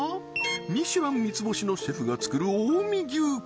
ミシュラン三つ星のシェフが作る近江牛か？